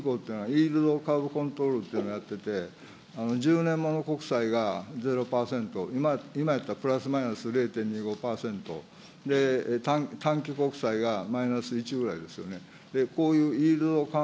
金利がぜん期間でパラレルシフト、今、日本銀行っていうのはコントロールというのをやってて、１０年物国債が０％、今やったらプラスマイナス０．２５％、短期国債がマイナス１ぐらいですよね。